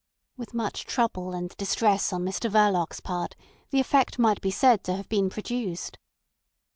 With much trouble and distress on Mr Verloc's part the effect might be said to have been produced.